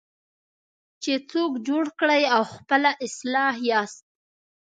چې څوک جوړ کړئ او خپله اصلاح یاست.